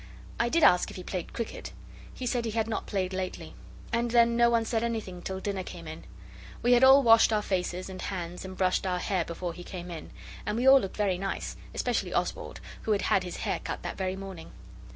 I did ask if he played cricket. He said he had not played lately. And then no one said anything till dinner came in. We had all washed our faces and hands and brushed our hair before he came in, and we all looked very nice, especially Oswald, who had had his hair cut that very morning.